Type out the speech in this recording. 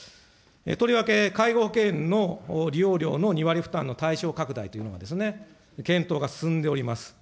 とりわけ介護保険の利用料の２割負担の対象拡大というのが、検討が進んでおります。